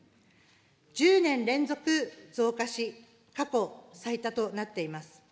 １０年連続増加し、過去最多となっております。